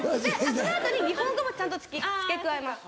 その後に日本語もちゃんと付け加えます。